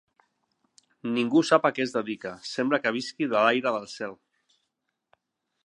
Ningú sap a què es dedica. Sembla que visqui de l'aire del cel.